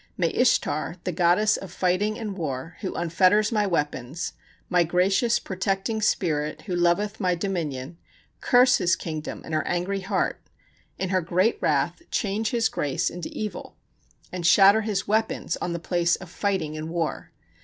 May Ishtar, the goddess of fighting and war, who unfetters my weapons, my gracious protecting spirit, who loveth my dominion, curse his kingdom in her angry heart; in her great wrath, change his grace into evil, and shatter his weapons on the place of fighting and war.